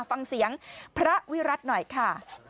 ฟังเสียงพระวิรัติหน่อยค่ะ